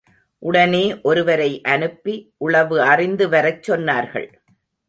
உடனே ஒருவரை அனுப்பி, உளவு அறிந்து வரச் சொன்னார்கள்.